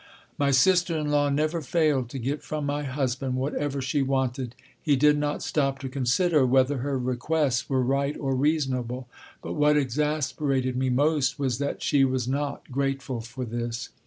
My sister in law never failed to get from my husband whatever she wanted. He did not stop to consider whether her requests were right or reasonable. But what exasperated me most was that she was not grateful for this.